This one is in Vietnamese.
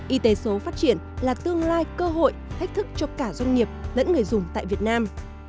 y tế số phát triển là tương lai cơ hội thách thức cho cả doanh nghiệp lẫn người dùng tại việt nam